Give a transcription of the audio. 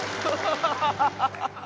ハハハハ！